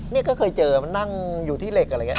นี่ก็เคยเจอมันนั่งอยู่ที่เหล็กอะไรอย่างนี้